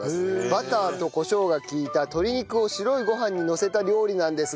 バターとコショウが利いた鶏肉を白いご飯にのせた料理なんですが。